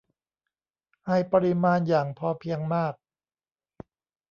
ให้ปริมาณอย่างพอเพียงมาก